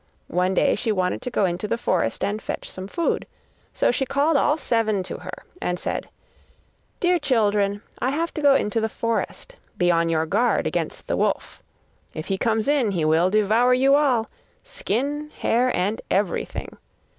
One day she wanted to go into the forest and fetch some food. So she called all seven to her and said: 'Dear children, I have to go into the forest, be on your guard against the wolf; if he comes in, he will devour you all skin, hair, and everything.